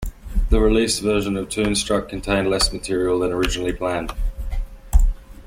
The released version of "Toonstruck" contained less material than originally planned.